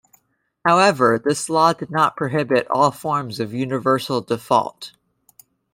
However, this law did not prohibit all forms of universal default.